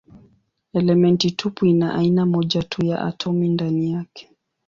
Elementi tupu ina aina moja tu ya atomi ndani yake.